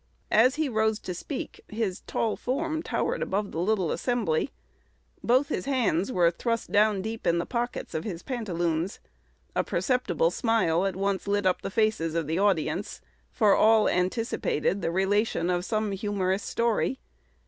As he arose to speak, his tall form towered above the little assembly. Both hands were thrust down deep in the pockets of his pantaloons. A perceptible smile at once lit up the faces of the audience, for all anticipated the relation of some humorous story.